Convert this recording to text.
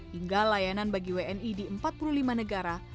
hingga layanan bagi wni di empat puluh lima negara